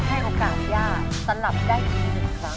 ผมให้อากาศย่าสลับได้อีกหนึ่งครั้ง